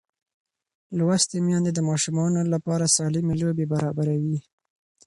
لوستې میندې د ماشوم لپاره سالمې لوبې برابروي.